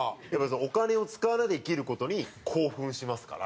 お金を使わないで生きる時に興奮しますから。